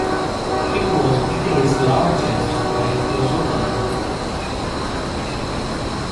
It was Britain's largest when it was opened.